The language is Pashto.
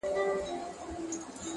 بیا مي د اوښکو وه رڼا ته سجده وکړه.!